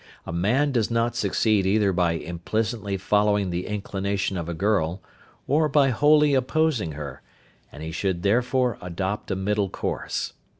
A man does not succeed either by implicitly following the inclination of a girl, or by wholly opposing her, and he should therefore adopt a middle course.